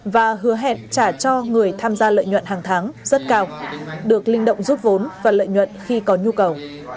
và hứa hẹn trả cho người tham gia lợi nhuận hàng tháng rất cao được linh động rút vốn và lợi nhuận khi có nhu cầu